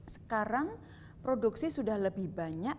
sekarang produksi sudah lebih banyak